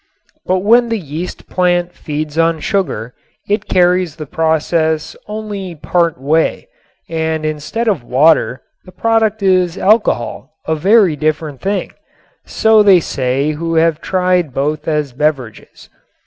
But when the yeast plant feeds on sugar it carries the process only part way and instead of water the product is alcohol, a very different thing, so they say who have tried both as beverages.